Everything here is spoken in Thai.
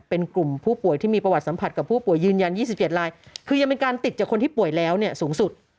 เป็นกลุ่มผู้ป่วยที่มีประวัติสัมผัสกับผู้ป่วยยืนยัน๒๗ลายคือยังเป็นการติดจากคนที่ป่วยแล้วเนี่ยสูงสุด